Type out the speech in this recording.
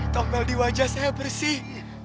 topel di wajah saya bersih